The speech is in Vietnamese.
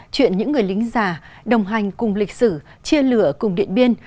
chuyện những người lính già đồng hành cùng lịch sử chia lửa cùng điện biên